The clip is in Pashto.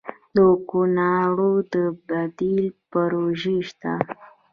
د کوکنارو د بدیل پروژې شته؟